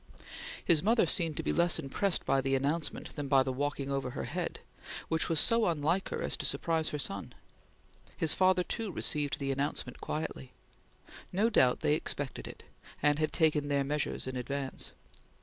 His mother seemed to be less impressed by the announcement than by the walking over her head, which was so unlike her as to surprise her son. His father, too, received the announcement quietly. No doubt they expected it, and had taken their measures in advance.